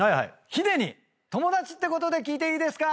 ヒデに友達ってことで聞いていいですか？